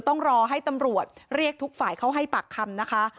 ต้องรอให้ตำรวจเรียกทุกฝ่ายเข้าให้ปากคำนะคะ